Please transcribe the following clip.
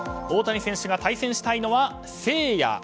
大谷選手が対戦したいのはセイヤ。